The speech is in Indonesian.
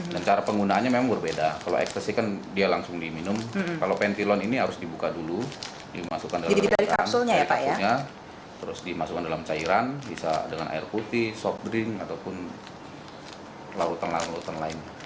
cara penggunaannya memang berbeda kalau ekstasi kan dia langsung diminum kalau pentilon ini harus dibuka dulu dimasukkan dalam kakinya terus dimasukkan dalam cairan bisa dengan air putih soft drink ataupun lautan lautan lain